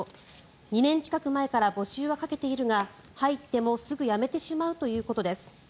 ２年近く前から募集はかけているが入ってもすぐ辞めてしまうということです。